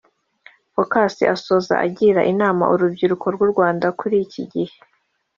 Focus asoza agira inama urubyiruko rw’u Rwanda kuri iki gihe